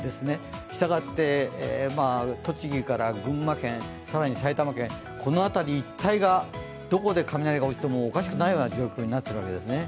したがって、栃木から群馬県、更に埼玉県、この辺り一帯がどこで雷が落ちてもおかしくないような状況になっているわけですね。